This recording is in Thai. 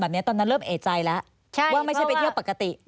เข้าแต่ถ้าที่สางคนเลยแบบเดินไป